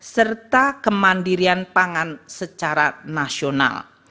serta kemandirian pangan secara nasional